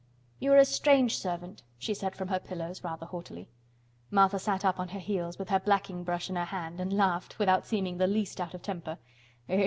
"You are a strange servant," she said from her pillows, rather haughtily. Martha sat up on her heels, with her blacking brush in her hand, and laughed, without seeming the least out of temper.